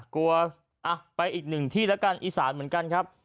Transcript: กลัวไปอีกหนึ่งที่แล้วกันอีสานเหมือนกันครับ